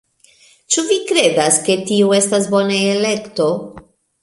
Ĉu vi kredas, ke tio estas bona elekto